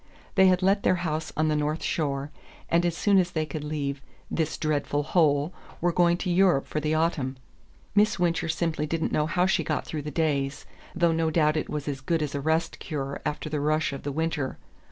They had let their house on the North Shore, and as soon as they could leave "this dreadful hole" were going to Europe for the autumn. Miss Wincher simply didn't know how she got through the days; though no doubt it was as good as a rest cure after the rush of the winter.